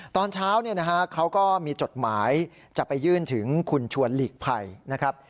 ตอนเช้าเขาก็มีจดหมายจะไปยื่นถึงคุณชวนหลีกภัยนะครับ